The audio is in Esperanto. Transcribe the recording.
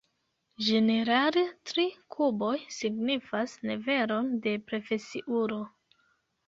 Ĝenerale, tri kuboj signifas nivelon de profesiulo.